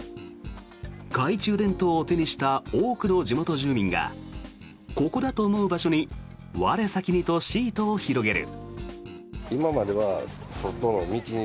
懐中電灯を手にした多くの地元住民がここだと思う場所に我先にとシートを広げる。